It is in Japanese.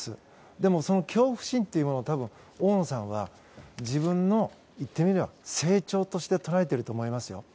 でも、その恐怖心というものを大野さんは、自分の言ってみれば成長として捉えていると思いますよ。